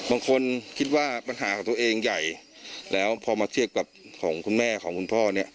บางคนคิดว่าปัญหาของตัวเองใหญ่แล้วพอมาเทียบกับของคุณแม่ของคุณพ่อเนี่ย